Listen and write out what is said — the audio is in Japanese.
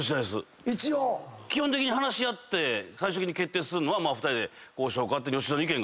基本的に話し合って最終的に決定するのは２人でこうしようかって。